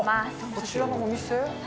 こちらのお店？